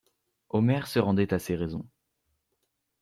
Omer se rendait à ces raisons.